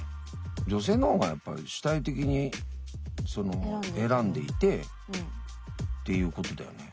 女性の方がやっぱり主体的に選んでいてっていうことだよね。